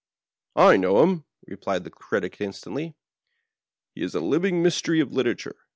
"I know him," replied the Critic instantly. "He is » living mystery of literature.